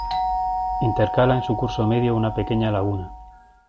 Intercala en su curso medio una pequeña laguna.